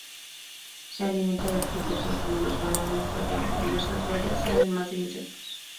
Se alimenta de frutos, incluidos banano, guayaba, diversas bayas y además de insectos.